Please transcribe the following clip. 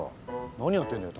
何やってんだよ